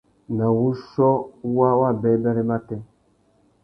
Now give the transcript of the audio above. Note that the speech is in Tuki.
Nà wuchiô wa wabêbêrê matê.